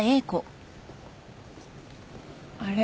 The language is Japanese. あれ？